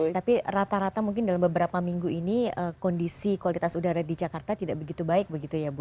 tapi rata rata mungkin dalam beberapa minggu ini kondisi kualitas udara di jakarta tidak begitu baik begitu ya bu